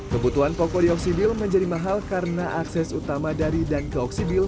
kebutuhan pokok dioksibil menjadi mahal karena akses utama dari dan ke oksibil